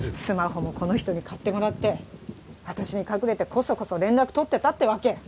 スマホもこの人に買ってもらって私に隠れてコソコソ連絡取ってたってわけ？